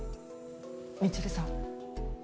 未知留さん